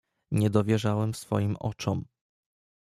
"Nie dowierzałem swoim oczom."